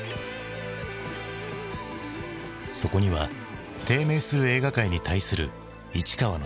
そこには低迷する映画界に対する市川の強い思いがあった。